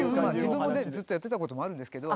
自分もずっとやってたこともあるんですけど。